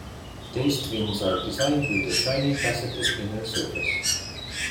Tastevins are designed with a shiny faceted inner surface.